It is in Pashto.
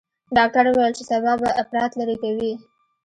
ډاکتر وويل چې سبا به اپرات لرې کوي.